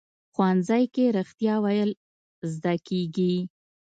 ښوونځی کې رښتیا ویل زده کېږي